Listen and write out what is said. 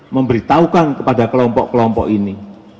memberitahukan kepada kelompok kelompok ini